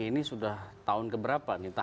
ini sudah tahun keberapa